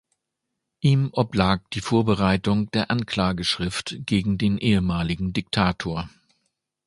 Ihm oblag die Vorbereitung der Anklageschrift gegen den ehemaligen Diktator.